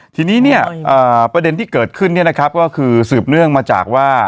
ทีนี้เนี่ยประเด็นที่เกิดขึ้นเนี่ยนะครับก็คือสืบเนื่องมาจากว่า